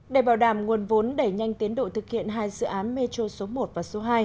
để bảo đảm nguồn vốn đẩy nhanh tiến độ thực hiện hai dự án metro số một và số hai